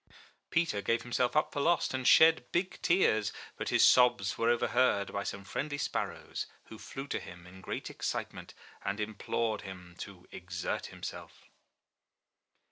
Peter gave himself up for lost, and shed big tears; but his sobs were overheard by some friendly sparrows, who flew to him in great excitement, and implored him to exert himself.